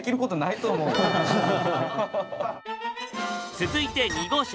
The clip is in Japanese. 続いて２号車。